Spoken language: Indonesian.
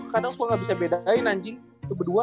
kadang gue gak bisa bedain anjing itu berdua